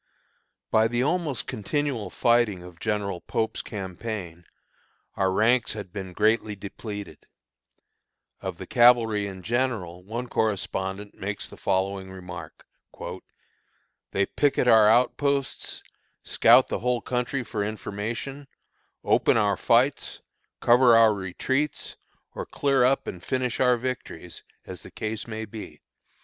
By the almost continual fighting of General Pope's campaign, our ranks had been greatly depleted. Of the cavalry in general one correspondent makes the following remark: "They picket our outposts, scout the whole country for information, open our fights, cover our retreats, or clear up and finish our victories, as the case may be.